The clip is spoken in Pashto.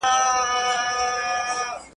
نوم یې پروت پر څلورکونجه نومیالی پکښی پیدا کړي ..